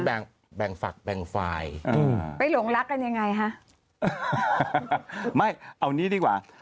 เราเรียกคำว่าแฟนดีกว่า